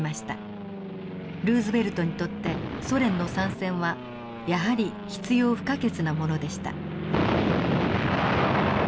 ルーズベルトにとってソ連の参戦はやはり必要不可欠なものでした。